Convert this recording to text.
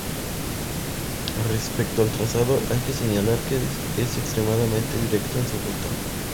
Respecto al trazado, hay que señalar que es extremadamente directo en su ruta.